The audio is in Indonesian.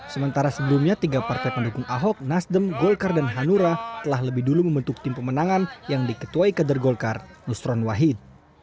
sementara sebelumnya tiga partai pendukung ahok nasdem golkar dan hanura telah lebih dulu membentuk tim pemenangan yang diketuai kader golkar nusron wahid